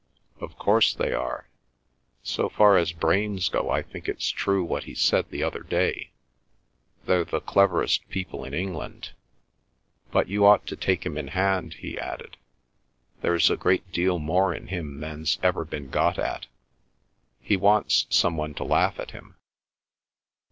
"Of course they are. So far as brains go I think it's true what he said the other day; they're the cleverest people in England. But—you ought to take him in hand," he added. "There's a great deal more in him than's ever been got at. He wants some one to laugh at him.